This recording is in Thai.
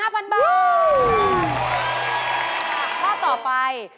ค่ะข้าวต่อไป